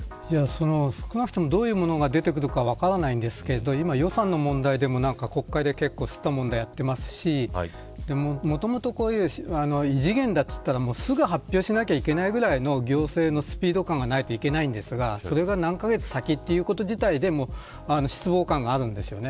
少なくともどういうものが出てくるか分かんないんですけど今、予算の問題でも国会ですったもんだやってますしもともと、異次元だって言ったらすぐに発表しなきゃいけないぐらいの行政のスピード感がないといけないんですがそれが何カ月先ということ自体で失望感があるんですよね。